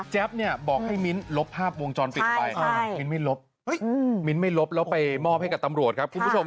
เนี่ยบอกให้มิ้นท์ลบภาพวงจรปิดไปมิ้นไม่ลบมิ้นท์ไม่ลบแล้วไปมอบให้กับตำรวจครับคุณผู้ชม